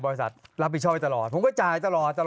บริษัทรับผิดชอบไปตลอดผมก็จ่ายตลอด